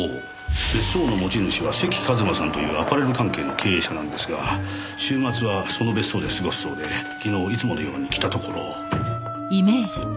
別荘の持ち主は関一馬さんというアパレル関係の経営者なんですが週末はその別荘で過ごすそうで昨日いつものように来たところ。